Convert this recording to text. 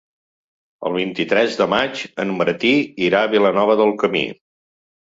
El vint-i-tres de maig en Martí irà a Vilanova del Camí.